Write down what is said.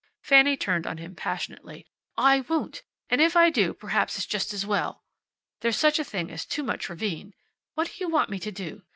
Fanny turned on him passionately. "I won't! And if I do, perhaps it's just as well. There's such a thing as too much ravine. What do you want me to do?